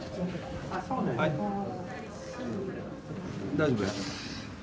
大丈夫です。